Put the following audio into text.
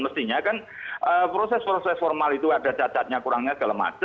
mestinya kan proses proses formal itu ada cacatnya kurangnya segala macam